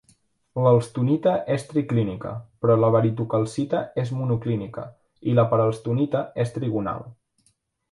L'alstonita és triclínica, però la baritocalcita és monoclínica, i la paralstonita és trigonal.